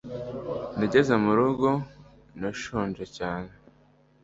nageze mu rugo, nashonje cyane